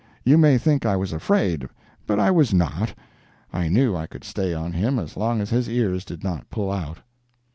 You may think I was afraid, but I was not. I knew I could stay on him as long as his ears did not pull out.